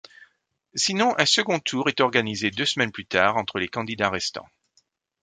Sinon, un second tour est organisé deux semaines plus tard entre les candidats restant.